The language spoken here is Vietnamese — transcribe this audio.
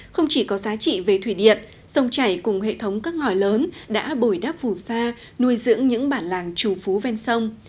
không chỉ có giá trị về thủy điện sông chảy cùng hệ thống các ngòi lớn đã bồi đắp phù sa nuôi dưỡng những bản làng trù phú ven sông